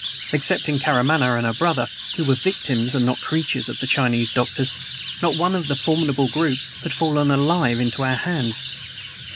Excepting Karamaneh and her brother (who were victims and not creatures of the Chinese doctor's) not one of the formidable group had fallen alive into our hands.